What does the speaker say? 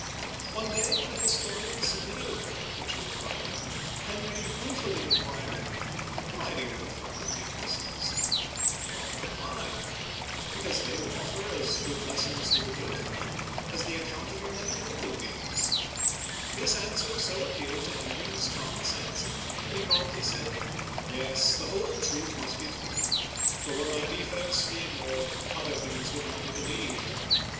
One day, when a historian submitted a work which he was writing, Henry ruefully inquired, " But why do you reveal my weaknesses ?'* The author replied, " Because they will offer as good lessons to the Dauphin as the ac count of your many noble deeds !*' This answer so ap pealed to Henry's common sense that he promptly said :" Yes, the whole truth must be told, for were my defects to be ignored, other things would not be believed.